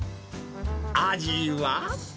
味は？